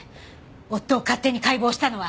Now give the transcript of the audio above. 夫を勝手に解剖したのは。